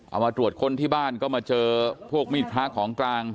เอามาตรวจค้นที่บ้านก็มาเจอพวกมีดพระของกลาง